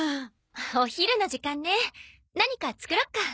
お昼の時間ね何か作ろっか。